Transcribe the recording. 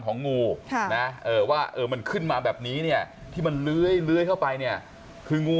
ของงูนะว่ามันขึ้นมาแบบนี้เนี่ยที่มันเลื้อยเข้าไปเนี่ยคืองู